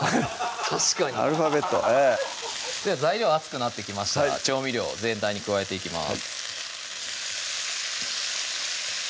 確かにアルファベットええでは材料熱くなってきましたら調味料全体に加えていきます